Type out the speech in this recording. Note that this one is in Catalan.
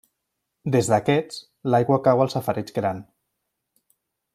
Des d'aquest, l'aigua cau al safareig gran.